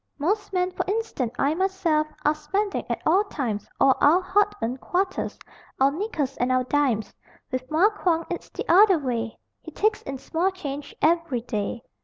Most men (for instance I myself) Are spending, at all times, All our hard earned quarters, Our nickels and our dimes: With Mar Quong it's the other way He takes in small change every day.